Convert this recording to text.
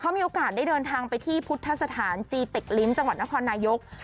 เค้ามีโอกาสได้เดินทางไปที่พุทธศาจริงซ์จังหวัดนครนายก